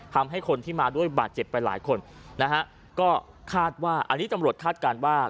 ทำให้คนที่มาด้วยบาดเจ็บไปหลายคนนะฮะก็คาดว่าอันนี้ตำรวจคาดการณ์ว่า